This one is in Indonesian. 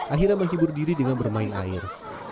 akhirnya menghibur diri dengan bermain air